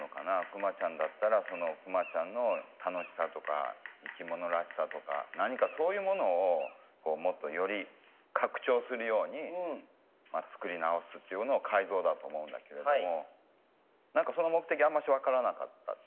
クマちゃんだったらそのクマちゃんの楽しさとか生き物らしさとか何かそういうものをもっとより拡張するように作り直すっていうのを改造だと思うんだけれども何かその目的あんまし分からなかった。